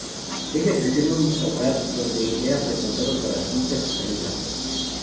Ella creció en un hogar que era frecuentado por artistas y calígrafos.